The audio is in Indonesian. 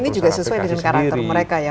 ini juga sesuai dengan karakter mereka ya